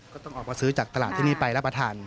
ก็ต้องออกมาซื้อจากตลาดที่นี่ไปรับประทาน